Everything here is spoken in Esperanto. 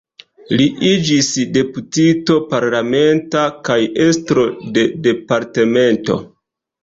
Li iĝis deputito parlamenta kaj estro de departemento.